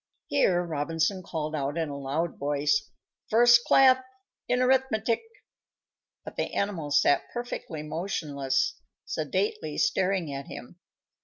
_ Here Robinson called out, in a loud voice, "First class in arithmetic!" but the animals sat perfectly motionless, sedately staring at him.